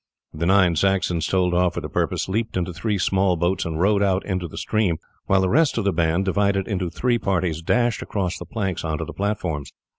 The nine Saxons told off for the purpose leaped into three small boats and rowed out into the stream, while the rest of the band, divided into three parties, dashed across the planks on to the platforms.